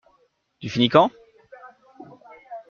Tu finis quand?